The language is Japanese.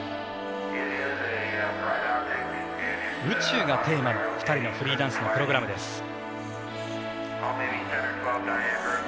「宇宙」がテーマの２人のフリーダンスのプログラムです。